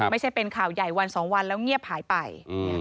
ไม่ใช่เป็นข่าวใหญ่วันสองวันแล้วเงียบหายไป